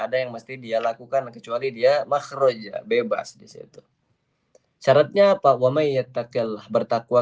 ada yang mesti dia lakukan kecuali dia makhroja bebas disitu caranya apa wa mayatakillaha bertakwa